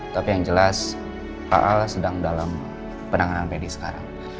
tapi yang jelas pak al sedang dalam penanganan pedi sekarang